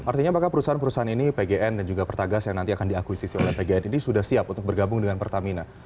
artinya apakah perusahaan perusahaan ini pgn dan juga pertagas yang nanti akan diakuisisi oleh pgn ini sudah siap untuk bergabung dengan pertamina